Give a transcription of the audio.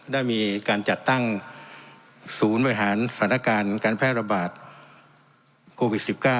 ได้มีการจัดตั้งศูนย์บริหารสถานการณ์การแพร่ระบาดโควิด๑๙